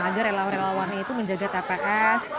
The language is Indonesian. agar relawan relawannya itu menjaga tps